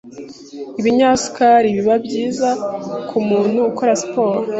Ibinyasukari biba byiza kumuntu ukora spor